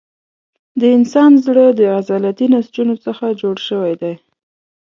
د انسان زړه له عضلاتي نسجونو څخه جوړ شوی دی.